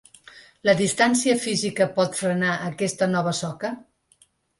La distància física pot frenar aquesta nova soca?